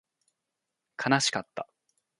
悲しかった